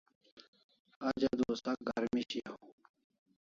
Aj adua sak garmi shiaw